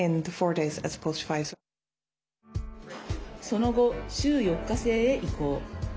その後、週４日制へ移行。